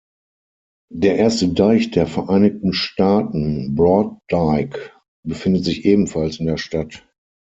Der erste Deich der Vereinigten Staaten "Broad Dyke", befindet sich ebenfalls in der Stadt.